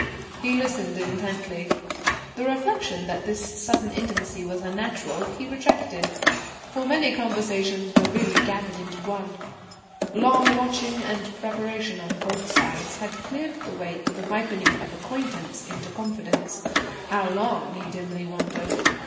He listened intently. The reflection that this sudden intimacy was unnatural, he rejected, for many conversations were really gathered into one. Long watching and preparation on both sides had cleared the way for the ripening of acquaintance into confidence how long he dimly wondered?